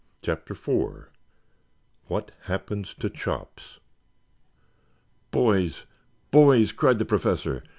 CHAPTER IV WHAT HAPPENED TO CHOPS "Boys, boys!" cried the Professor.